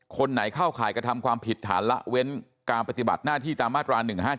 คนไหนเข้าข่ายกระทำความผิดฐานละเว้นการปฏิบัติหน้าที่ตามมาตรา๑๕๗